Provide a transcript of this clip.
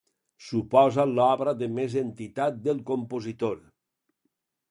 Suposa l’obra de més entitat del compositor.